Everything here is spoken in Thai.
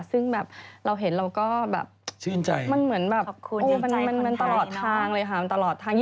ซึ่งแบบเราเห็นเราก็แบบชื่นใจมันเหมือนแบบคุณมันตลอดทางเลยค่ะมันตลอดทาง